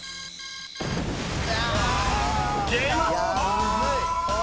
むずい。